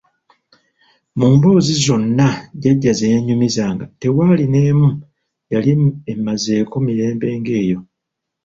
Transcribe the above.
Mu mboozi zonna Jjajja ze yannyumizanga tewaali n'emu yali emmazeeko mirembe ng'eyo!